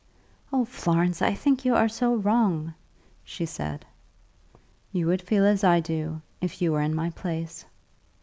"Oh, Florence, I think you are so wrong," she said. "You would feel as I do, if you were in my place."